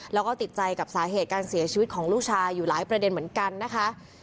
แล้วก็ติดใจกับสาเหตุการเสียชีวิตของลูกชายอยู่หลายประเด็นเหมือนกันนะคะ